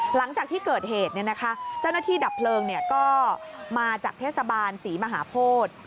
หลังจากที่เกิดเหตุเจ้าหน้าที่ดับเพลิงก็มาจากเทศบาลศรีมหาโพธิ